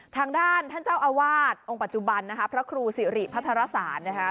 ทางด้านท่านเจ้าอาวาสองค์ปัจจุบันนะคะพระครูสิริพัทรศาสตร์นะคะ